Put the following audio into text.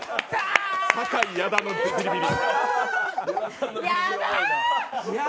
酒井・矢田のビリビリ。